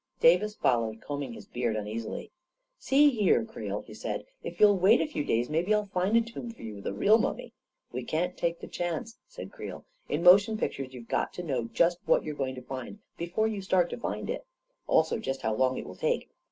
Davis followed, combing his beard un easily. " See here, Creel," he said, " if you'll wait a few days, maybe I'll find a tomb for you, with a real mummy." " We can't take the chance," said Creel. " In motion pictures, you've got to know just what you're going to find before you start to find it — also just how long it will take.